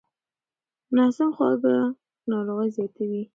ناسم خواړه ناروغۍ زیاتوي.